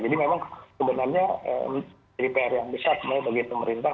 jadi memang sebenarnya jadi pr yang besar bagi pemerintah